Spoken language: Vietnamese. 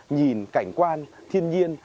nhìn cảnh quan thiên nhiên